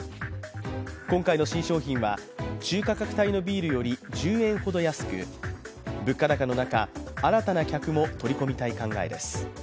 今回新商品は中価格帯のビールより１０円ほど安く、物価高の中、新たな客も取り込みたい考えです。